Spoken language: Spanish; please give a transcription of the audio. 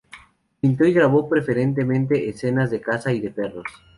Pintó y grabó preferentemente escenas de caza y de perros.